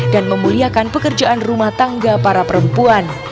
dan memuliakan pekerjaan rumah tangga para perempuan